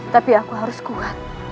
tapi aku harus kuat